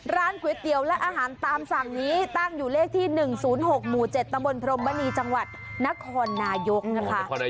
ร้านก๋วยเตี๋ยวและอาหารตามสั่งนี้ตั้งอยู่เลขที่๑๐๖หมู่๗ตำบลพรมมณีจังหวัดนครนายกนะคะ